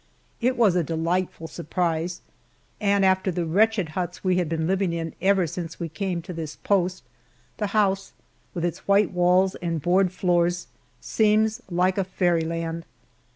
It was a delightful surprise, and after the wretched huts we have been living in ever since we came to this post, the house with its white walls and board floors seems like fairyland.